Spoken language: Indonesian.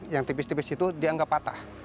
yang tipis tipis itu dia nggak patah